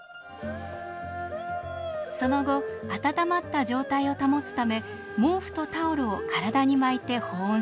その後温まった状態を保つため毛布とタオルを体に巻いて保温します。